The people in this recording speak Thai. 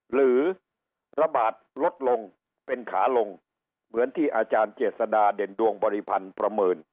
หรือระบาดลดลงเป็นขาลงเหมือนที่อาจารย์เจษฎาเด่นดวงบริพันธ์ประเมิน